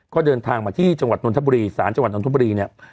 ก็เดินทางมาที่จังหวัดนนทบุรีศาลจังหวัดนทบุรีเนี่ย